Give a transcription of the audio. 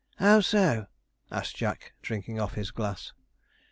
'How so?' asked Jack, drinking off his glass.